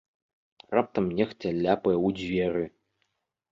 Раптам нехта ляпае ў дзверы.